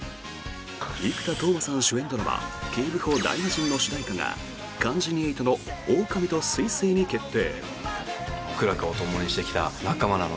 生田斗真さん主演ドラマ「警部補ダイマジン」の主題歌が関ジャニ∞の「オオカミと彗星」に決定！